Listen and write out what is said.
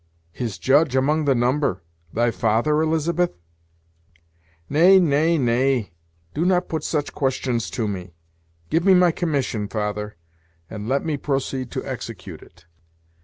"His judge among the number! thy father, Elizabeth?" "Nay, nay, nay; do not put such questions to me; give me my commission, father, and let me proceed to execute it."